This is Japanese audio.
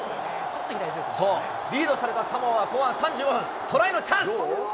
リードされたサモアは後半３５分、トライのチャンス。